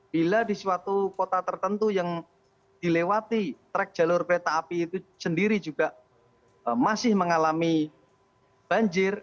bila di suatu kota tertentu yang dilewati trek jalur kereta api itu sendiri juga masih mengalami banjir